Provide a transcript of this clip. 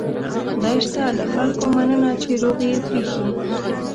خدای شته له خلکو مننه چې روغ یې پرېښي.